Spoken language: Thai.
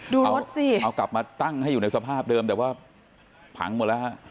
รถสิเอากลับมาตั้งให้อยู่ในสภาพเดิมแต่ว่าผังหมดแล้วฮะ